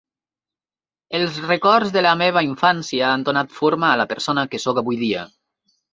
Els records de la meva infància han donat forma a la persona que sóc avui dia.